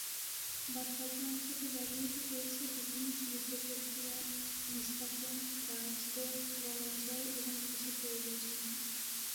বাদ বাকি অংশটি ব্যবহৃত হয়েছে বিভিন্ন শিল্প প্রক্রিয়া, নিষ্কাশন, গার্হস্থ্য গরম জল এবং কৃষি প্রয়োগের জন্য।